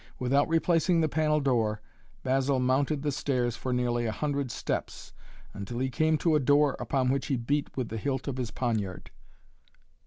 Without replacing the panel door, Basil mounted the stairs for nearly a hundred steps, until he came to a door upon which he beat with the hilt of his poniard.